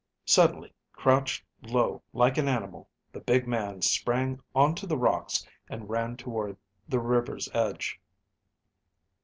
Suddenly, crouched low like an animal, the big man sprang onto the rocks and ran toward the river's edge.